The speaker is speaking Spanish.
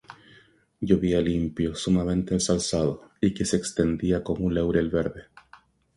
Vi yo al impío sumamente ensalzado, Y que se extendía como un laurel verde.